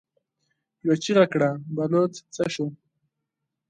يوه چيغه کړه: بلوڅ څه شو؟